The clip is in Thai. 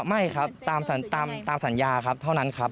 ไม่ครับตามสัญญาครับเท่านั้นครับ